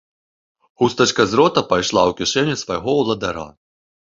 Хустачка з рота пайшла ў кішэню свайго ўладара.